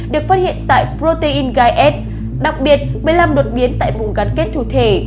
được phát hiện tại protein guide đặc biệt một mươi năm đột biến tại vùng gắn kết thủ thể